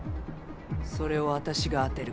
それを私が当てる。